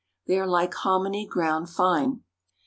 They are like hominy ground fine.